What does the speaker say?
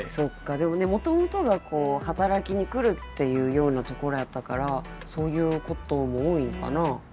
でもねもともとがこう働きに来るっていうような所やったからそういうことも多いんかな。